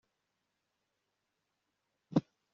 kazitunga yaramwenyuye igihe wabivuze